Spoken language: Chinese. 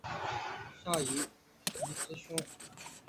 夏允彝之兄。